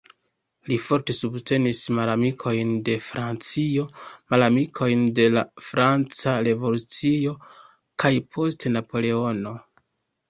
Li forte subtenis malamikojn de Francio, malamikojn de la franca revolucio kaj poste Napoleono.